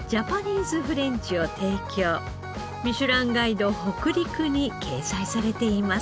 『ミシュランガイド北陸』に掲載されています。